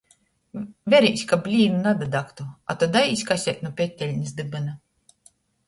Verīs, kab blīni nadadagtu, a to daīs kaseit nu peteļnis dybyna!